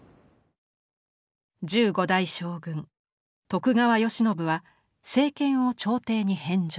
１５代将軍徳川慶喜は政権を朝廷に返上。